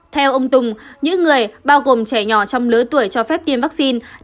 theo ông tùng những người bao gồm trẻ nhỏ trong lứa tuổi cho phép tiêm vaccine